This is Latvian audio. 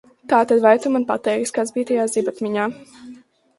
Tātad, vai tu man pateiksi, kas bija tajā zibatmiņā?